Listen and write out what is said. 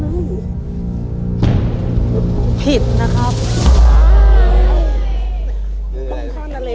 ไม่ใช่อีกอย่างเยอะเลย